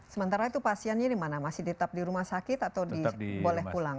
sementara itu pasiennya di mana masih tetap di rumah sakit atau boleh pulang